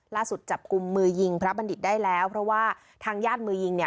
ล่าสุดจับกลุ่มมือยิงพระบัณฑิตได้แล้วเพราะว่าทางญาติมือยิงเนี่ย